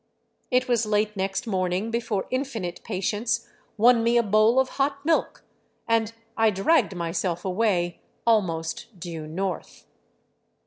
It was late next morning before infinite patience won me a bowl of hot milk, and I dragged myself away almost due north.